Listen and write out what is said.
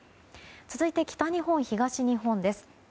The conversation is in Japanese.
続いて北日本、東日本です。